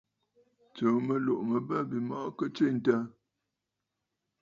Tsuu mɨlɔ̀ʼɔ̀ mɨ bə̂ bîmɔʼɔ kɨ twitə̂.